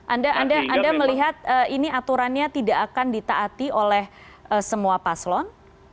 anda melihat ini aturannya tidak akan ditaati oleh semua paslon